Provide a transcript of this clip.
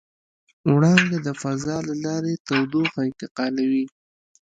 وړانګه د فضا له لارې تودوخه انتقالوي.